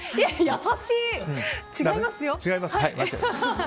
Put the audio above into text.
優しい！違いますよ！